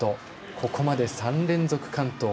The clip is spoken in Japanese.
ここまで３連続、完登。